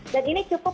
dan ini cukup